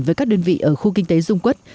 với các đơn vị ở khu kinh tế dung quốc